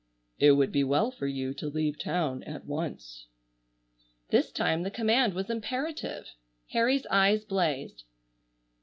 "It would be well for you to leave town at once." This time the command was imperative. Harry's eyes blazed.